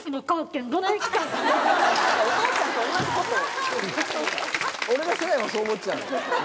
お父さんと同じことを。